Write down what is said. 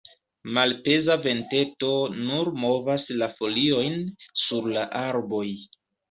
Malpeza venteto nur movas la foliojn sur la arboj.